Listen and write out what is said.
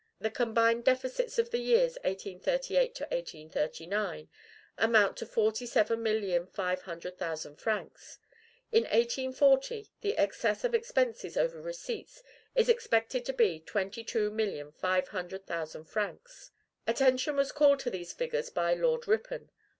The combined deficits of the years 1838 and 1839 amount to forty seven million five hundred thousand francs. In 1840, the excess of expenses over receipts is expected to be twenty two million five hundred thousand francs. Attention was called to these figures by Lord Ripon.